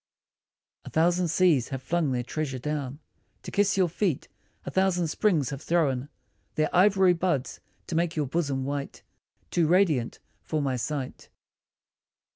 A thousand seas have flung their treasure down To kiss your feet, a thousand springs have thrown Their ivory buds to make your bosom white Too radiant for my sight.